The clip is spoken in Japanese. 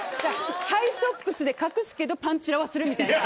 ハイソックスで隠すけどパンチラはするみたいな。